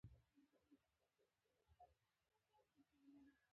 په دې وخت کې یو ځوان پاڅېد.